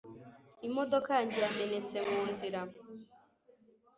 imodoka yanjye yamenetse munzira